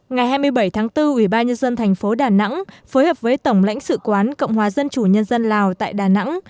ngày hai mươi bảy tháng bốn ubnd tp đà nẵng phối hợp với tổng lãnh sự quán cộng hòa dân chủ nhân dân lào tại đà nẵng